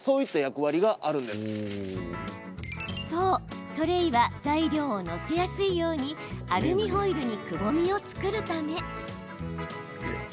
そう、トレーは材料を載せやすいようにアルミホイルにくぼみを作るため。